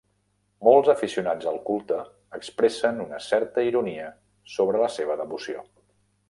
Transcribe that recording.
Molts aficionats al culte expressen una certa ironia sobre la seva devoció.